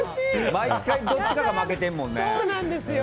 毎回どっちかが負けてるもんね。